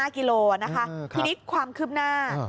๕กิโลกรัมนะคะพินิษฐ์ความคืบหน้า